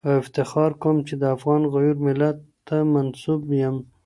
او افتخار کوم چي د افغان غیور ملت ته منسوب یم